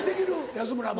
安村も。